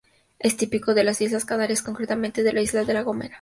Es típico de las Islas Canarias, concretamente de la isla de La Gomera.